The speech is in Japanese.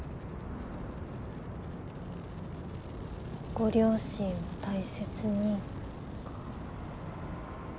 ご両親を大切にか。